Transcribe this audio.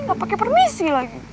gak pake permisi lagi